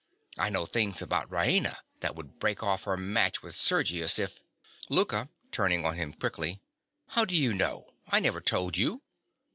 I know things about Raina that would break off her match with Sergius if— LOUKA. (turning on him quickly). How do you know? I never told you!